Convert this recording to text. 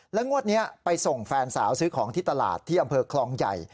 งวดนี้ไปส่งแฟนสาวซื้อของที่ตลาดที่อำเภอคลองใหญ่